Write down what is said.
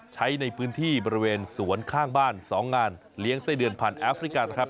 ใช้ในพื้นที่บริเวณสวนข้างบ้าน๒งานเลี้ยงไส้เดือนผ่านแอฟริกานะครับ